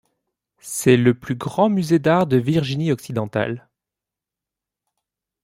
C’est le plus grand musée d'art de Virginie-Occidentale.